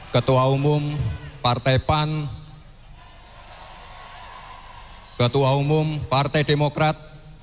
ketua umum partai pan ketua umum partai demokrat